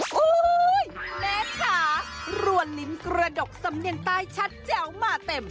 โอ้โหแม่ค่ะรวนลิ้นกระดกสำเนียงใต้ชัดแจ๋วมาเต็ม